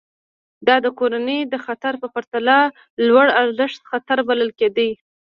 دا د کورنۍ د خطر په پرتله لوړارزښت خطر بلل کېده.